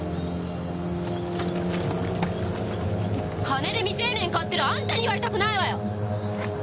金で未成年買ってるあんたに言われたくないわよ！